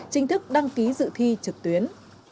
chính thức đăng ký dự thi trực tuyến